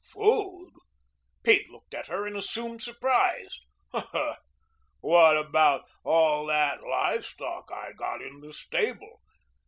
"Food!" Pete looked at her in assumed surprise. "Huh! What about all that live stock I got in the stable?